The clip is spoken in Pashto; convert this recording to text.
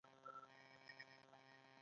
استاده ماده په څو حالتونو کې موندل کیږي